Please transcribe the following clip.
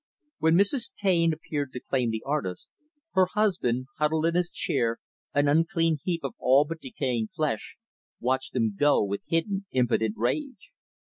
When Mrs. Taine appeared to claim the artist, her husband huddled in his chair, an unclean heap of all but decaying flesh watched them go, with hidden, impotent rage.